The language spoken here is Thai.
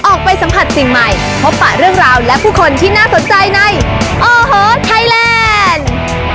ออกไปสัมผัสสิ่งใหม่พบปะเรื่องราวและผู้คนที่น่าสนใจในโอ้โหไทยแลนด์